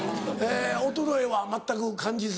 衰えは全く感じず？